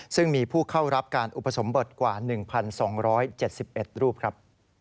ซึ่งมีผู้เข้ารับการอุปสมบทกว่า๑๒๗๑รูปครับ